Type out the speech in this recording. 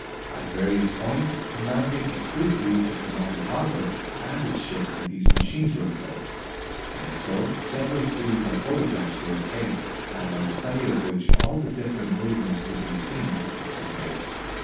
At various points commanding a good view of the model harbour and its shipping these machines were placed, and so several series of photographs were obtained, by the study of which all the different movements could be seen and compared.